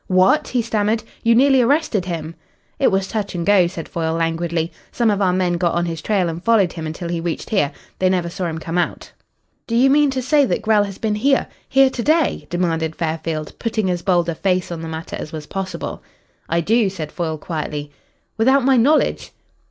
"What!" he stammered. "You nearly arrested him?" "It was touch and go," said Foyle languidly. "Some of our men got on his trail and followed him until he reached here. They never saw him come out." "Do you mean to say that Grell has been here here to day?" demanded Fairfield, putting as bold a face on the matter as was possible. "I do," said Foyle quietly. "Without my knowledge?"